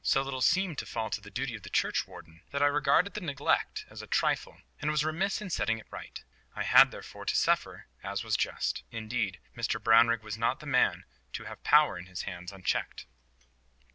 So little seemed to fall to the duty of the churchwarden that I regarded the neglect as a trifle, and was remiss in setting it right. I had, therefore, to suffer, as was just. Indeed, Mr Brownrigg was not the man to have power in his hands unchecked.